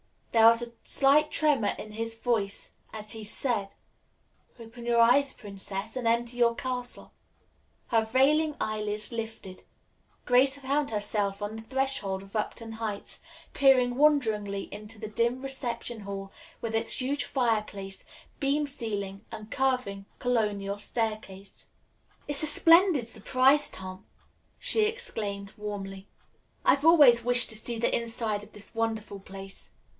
There was a slight tremor in his voice as he said: "Open your eyes, Princess, and enter your castle." Her veiling eye lids lifting, Grace found herself on the threshold of Upton Heights, peering wonderingly into the dim reception hall with its huge fireplace, beam ceiling and curving Colonial staircase. "It's a splendid surprise, Tom!" she exclaimed warmly. "I've always wished to see the inside of this wonderful place.